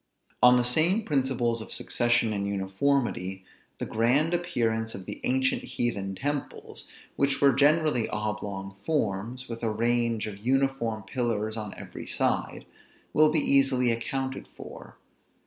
On the same principles of succession and uniformity, the grand appearance of the ancient heathen temples, which were generally oblong forms, with a range of uniform pillars on every side, will be easily accounted for.